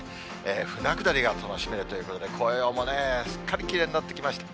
船下りが楽しめるということで、紅葉もすっかりきれいになってきました。